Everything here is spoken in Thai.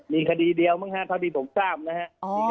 มีคดีเดียวมั้งฮะคดีผมทราบนะฮะ